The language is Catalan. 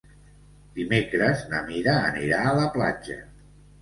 Dimecres na Mira anirà a la platja.